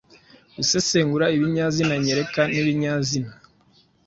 Gusesengura ibinyazina nyereka n’ibinyazina